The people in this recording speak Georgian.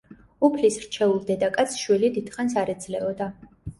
უფლის რჩეულ დედაკაცს შვილი დიდხანს არ ეძლეოდა.